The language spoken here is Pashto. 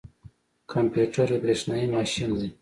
کمپيوټر یو بریښنايي ماشین دی